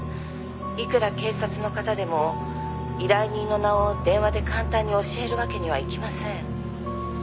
いくら警察の方でも依頼人の名を電話で簡単に教えるわけにはいきません」